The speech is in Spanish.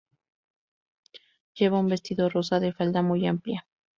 Lleva un vestido rosa de falda muy amplia.